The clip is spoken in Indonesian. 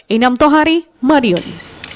inam tohari marioni